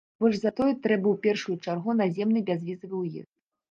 Больш за тое, трэба ў першую чаргу наземны бязвізавы ўезд.